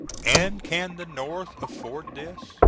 And can the North afford this?